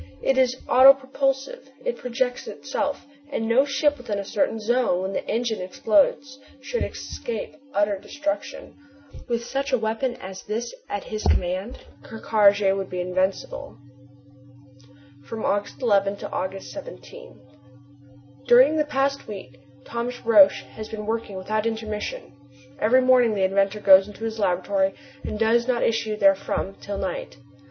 It is autopropulsive, it projects itself, and no ship within a certain zone when the engine explodes could escape utter destruction. With such a weapon as this at his command Ker Karraje would be invincible. From August 11 to August 17. During the past week Thomas Roch has been working without intermission. Every morning the inventor goes to his laboratory and does not issue therefrom till night.